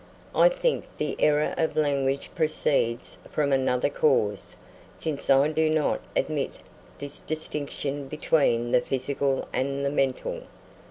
I think the error of language proceeds from another cause, since I do not admit this distinction between the physical and the mental.